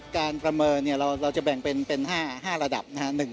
การประเมินเราจะแบ่งเป็น๕ระดับ๑๕